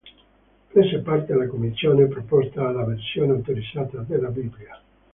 Prese parte alla commissione preposta alla versione autorizzata della Bibbia.